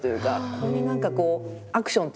ここになんかこうアクションというか。